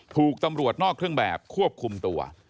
ถูกตำรวจนอกเครื่องแบบควบคุมตัว